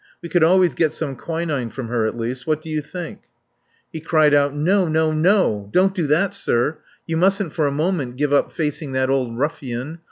We could always get some quinine from her, at least. What do you think?" He cried out: "No, no, no. Don't do that, sir. You mustn't for a moment give up facing that old ruffian.